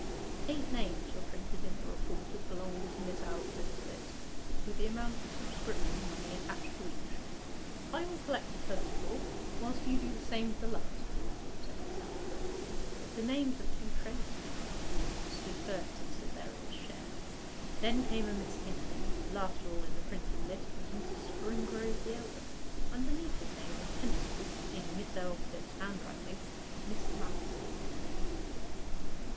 Eight names were printed in the report as belonging to Miss Aldclyffe's list, with the amount of subscription money attached to each. 'I will collect the first four, whilst you do the same with the last four,' said Miss Aldclyffe. The names of two tradespeople stood first in Cytherea's share: then came a Miss Hinton: last of all in the printed list was Mr. Springrove the elder. Underneath his name was pencilled, in Miss Aldclyffe's handwriting, 'Mr. Manston.